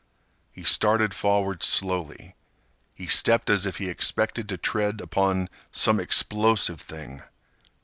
He started forward slowly. He stepped as if he expected to tread upon some explosive thing.